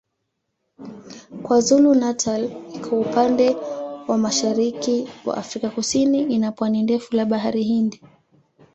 KwaZulu-Natal iko upande wa mashariki wa Afrika Kusini ina pwani ndefu la Bahari Hindi.